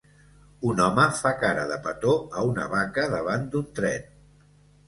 Un home fa cara de petó a una vaca davant d'un tren.